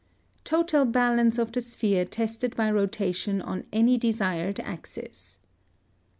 +Total balance of the sphere tested by rotation on any desired axis.